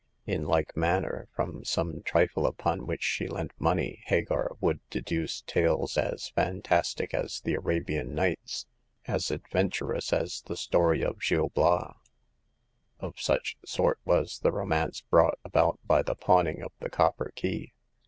In like manner, from some trifle upon which she lent money, Hagar would deduce tales as fantastic as the Arabian Nights, as adventurous as the story of The Fifth Customer. 131 Gil Bias. Of such sort was the romance brought about by the pawning of the copper key.